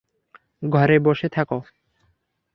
ঘরে বসে থাক।